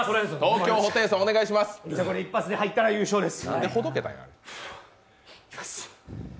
一発で入ったら優勝です。